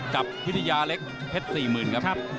กับวิทยาเล็กเพชร๔๐๐๐ครับ